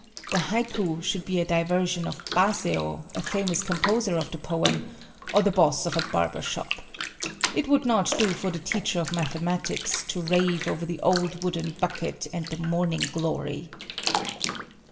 The "haiku" should be a diversion of Baseo or the boss of a barbershop. It would not do for the teacher of mathematics to rave over the old wooden bucket and the morning glory.